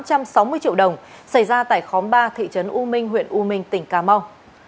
tài sản trị giá sáu mươi triệu đồng xảy ra tại khóm ba thị trấn u minh huyện u minh tỉnh cà mau